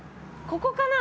ここかな。